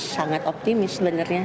sangat optimis sebenarnya